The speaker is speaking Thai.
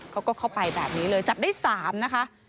เขาก็เข้าไปแบบนี้เลยจับได้๓นะคะ